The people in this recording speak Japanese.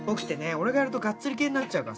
俺がやるとガッツリ系になっちゃうから